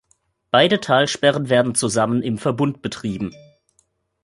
Beide Talsperren werden zusammen im Verbund betrieben.